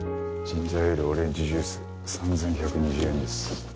ジンジャーエールオレンジジュース３１２０円です。